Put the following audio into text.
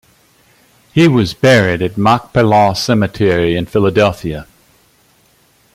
He was buried at Machpelah Cemetery in Philadelphia.